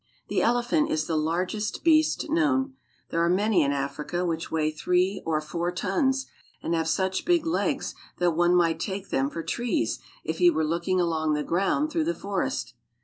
The elephant is the largest beast known. There are many in Africa which weigh three or four tons, and have such big legs that one might take them for trees if he were looking along the ground through the forest.